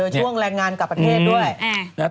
ช่วงแรงงานกลับประเทศด้วย